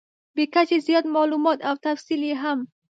بې کچې زیات مالومات او تفصیل یې هم .